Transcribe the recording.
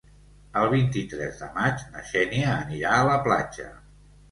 El vint-i-tres de maig na Xènia anirà a la platja.